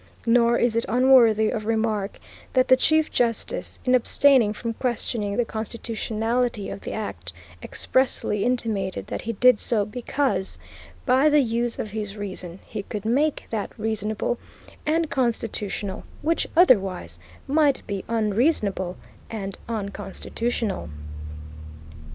Nor is it unworthy of remark, that the Chief Justice, in abstaining from questioning the constitutionality of the act, expressly intimated that he did so because, by the use of his reason, he could make that reasonable and constitutional which otherwise might be unreasonable and unconstitutional.